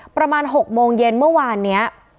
ประมาณ๖โมงเย็นเมื่อวานนี้